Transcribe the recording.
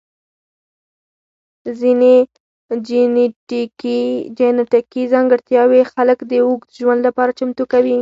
ځینې جنیټیکي ځانګړتیاوې خلک د اوږد ژوند لپاره چمتو کوي.